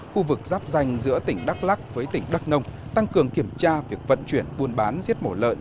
khu vực giáp danh giữa tỉnh đắk lắc với tỉnh đắk nông tăng cường kiểm tra việc vận chuyển buôn bán giết mổ lợn